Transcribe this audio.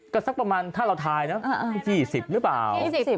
ก็สักประมาณถ้าเราทายนะ๒๐หรือเปล่า